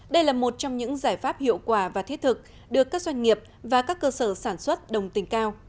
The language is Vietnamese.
đây là một trong những giải pháp hiệu quả và thiết thực được các doanh nghiệp và các cơ sở sản xuất đồng tình cao